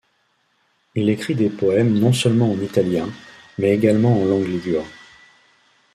Il écrit des poèmes non seulement en italien, mais également en langue ligure.